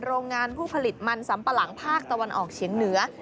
โรงงานผู้ผลิตมันสำปะหลังภาคตะวันออกเฉียงเหนือ